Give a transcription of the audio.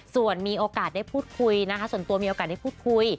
ส่วนมีโอกาสได้พูดคุยนะคะส่วนตัวมีโอกาสได้พูดคุย